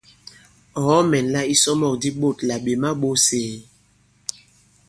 Ɔ̀ kɔ-mɛ̀nla isɔmɔ̂k di ɓôt là "ɓè ma-ɓōs ēe?".